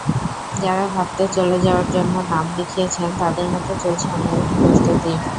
যাঁরা ভারতে চলে যাওয়ার জন্য নাম লিখিয়েছেন, তাঁদের মধ্যে চলছে অন্য রকম প্রস্তুতি।